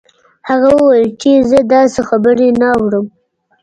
هغه وویل چې زه داسې خبرې نه اورم